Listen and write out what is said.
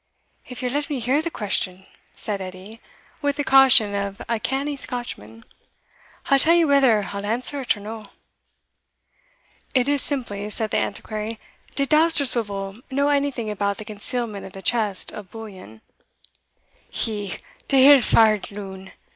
"If ye'll let me hear the question," said Edie, with the caution of a canny Scotchman, "I'll tell you whether I'll answer it or no." "It is simply," said the Antiquary, "Did Dousterswivel know anything about the concealment of the chest of bullion?" "He, the ill fa'ard loon!"